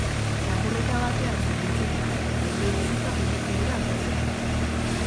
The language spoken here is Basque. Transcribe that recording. Lapurreta batean zauritzen dute eta bere bizitza goitik behera aldatzen da.